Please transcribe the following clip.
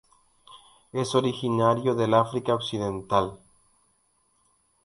Es originario del África occidental.